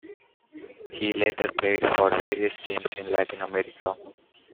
He later played for various teams in Latin America.